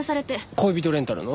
恋人レンタルの？